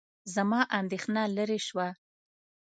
زما اندېښنه لیرې شوه.